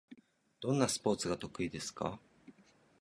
どんなスポーツが得意ですか？